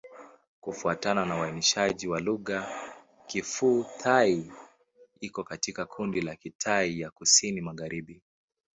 Kufuatana na uainishaji wa lugha, Kiphu-Thai iko katika kundi la Kitai ya Kusini-Magharibi.